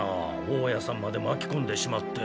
大家さんまでまきこんでしまって。